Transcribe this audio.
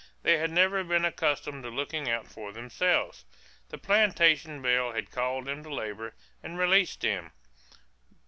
They had never been accustomed to looking out for themselves. The plantation bell had called them to labor and released them.